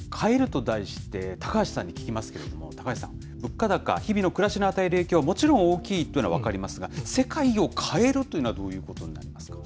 と題して、高橋さんに聞きますけれども、高橋さん、物価高、日々の暮らしに与える影響、もちろん大きいというのは分かりますが、世界を変えるというのは、どういうことになるんですか。